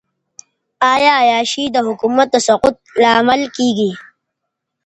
آیا عیاشي د حکومت د سقوط لامل کیږي؟